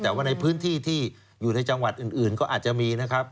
แต่ว่าในพื้นที่ที่อยู่ในจังหวัดอื่นก็อาจจะมีนะครับ